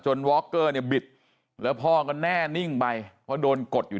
วอคเกอร์เนี่ยบิดแล้วพ่อก็แน่นิ่งไปเพราะโดนกดอยู่